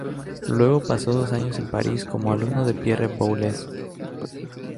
Luego pasó dos años en París como alumno de Pierre Boulez.